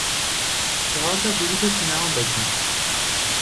چهارتا بلیط سینما بدهید.